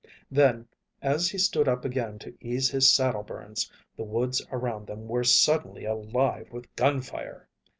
Then, as he stood up again to ease his saddle burns, the woods around them were suddenly alive with gunfire!